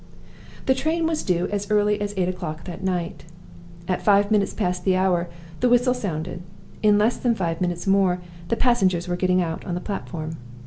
The train was due as early as eight o'clock that night. At five minutes past the hour the whistle sounded. In less than five minutes more the passengers were getting out on the platform.